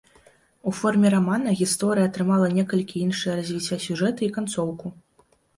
У форме рамана гісторыя атрымала некалькі іншыя развіцця сюжэту і канцоўку.